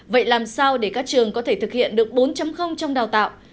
vậy làm sao để các trường có thể thực hiện được bốn trong đào tạo